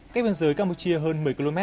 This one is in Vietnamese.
cách biên giới campuchia hơn một mươi km